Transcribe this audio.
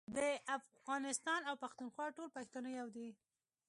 د افغانستان او پښتونخوا ټول پښتانه يو دي